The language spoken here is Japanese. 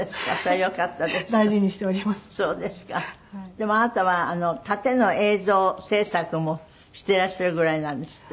でもあなたは殺陣の映像制作もしていらっしゃるぐらいなんですって？